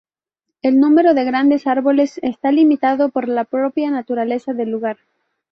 El número de grandes árboles está limitado por la propia naturaleza del lugar.